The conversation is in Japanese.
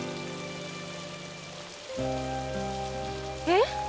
えっ？